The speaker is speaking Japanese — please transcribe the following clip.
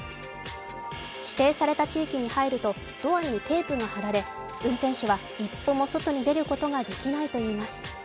指定された地域に入るとドアにテープが貼られ運転手は一歩も外に出ることができないといいます。